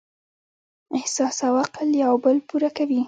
احساس او عقل یو بل پوره کوي.